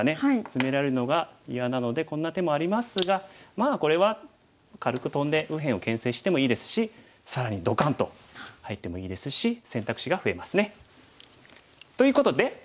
ツメられるのが嫌なのでこんな手もありますがまあこれは軽くトンで右辺をけん制してもいいですし更にどかんと入ってもいいですし選択肢が増えますね。ということで？